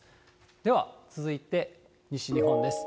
では続いて、西日本です。